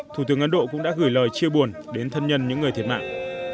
thủ tướng ấn độ cũng đã gửi lời chia buồn đến thân nhân những người thiệt mạng